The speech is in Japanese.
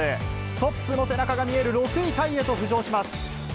トップの背中が見える６位タイへと浮上します。